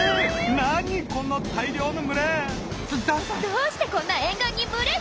どうしてこんな沿岸に群れが？